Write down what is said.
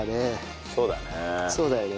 そうだね。